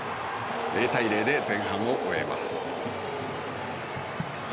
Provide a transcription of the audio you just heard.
０対０で前半を終えます。